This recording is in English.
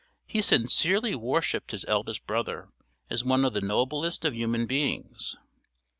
He sincerely worshipped his eldest brother as one of the noblest of human beings.